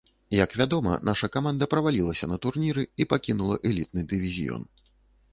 Як вядома, наша каманда правалілася на турніры і пакінула элітны дывізіён.